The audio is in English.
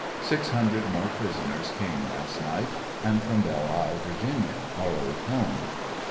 Six hundred more prisoners came last night, and from Belle Isle Va., our old home.